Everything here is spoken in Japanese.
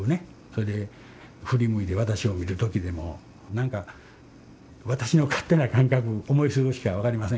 それで振り向いて私を見る時でも何か私の勝手な感覚思い過ごしか分かりませんけどね